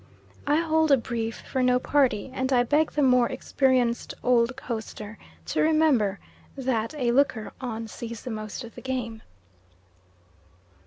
I hold a brief for no party, and I beg the more experienced old coaster to remember that "a looker on sees the most of the game."